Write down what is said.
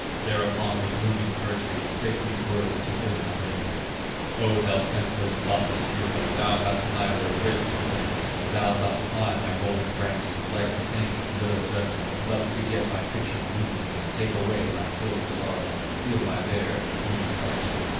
Thereupon the blooming fir tree Spake these words to Ilmarinen: "O thou senseless, thoughtless hero, Thou hast neither wit nor instinct; Thou dost climb my golden branches, Like a thing of little judgment, Thus to get my pictured moonbeams, Take away my silver starlight, Steal my Bear and blooming branches."